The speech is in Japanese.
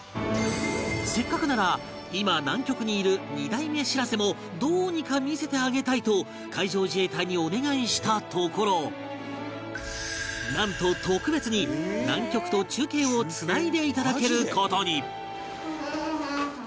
せっかくなら今南極にいる２代目しらせもどうにか見せてあげたいと海上自衛隊にお願いしたところなんと特別に南極と中継をつないでいただける事に